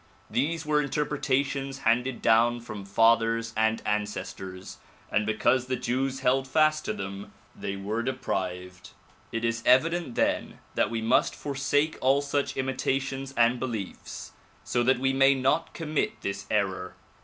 These were interpretations handed down from fathers and ancestors, and because the Jews held fast to them, they were deprived. It is evident then that we must forsake all such imitations and beliefs so that we may not commit this error.